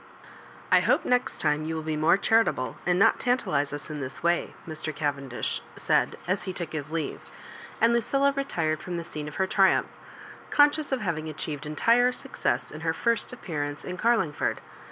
" I hope next time you will be more charitable, and not tantalise ua in this way," Mr. Cavendish said, as he took his leave ; and Lucilla retired from the scene of her triumph, conscious of hav ing achieved entire success in her first appear ance in Carlingford.